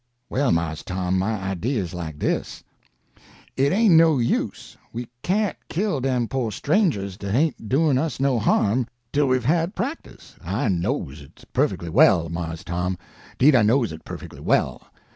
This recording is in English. "Well, Mars Tom, my idea is like dis. It ain't no use, we can't kill dem po' strangers dat ain't doin' us no harm, till we've had practice—I knows it perfectly well, Mars Tom—'deed I knows it perfectly well.